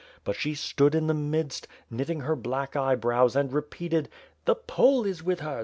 But she stood in the midst, knitting her black eye brows and repeated, 'The Pole is with her!